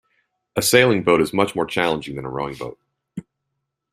A sailing boat is much more challenging than a rowing boat